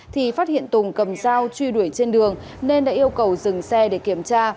thì phát hiện tùng cầm dao truy đuổi trên đường nên đã yêu cầu dừng xe để kiểm tra